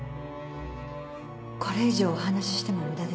これ以上お話ししても無駄です。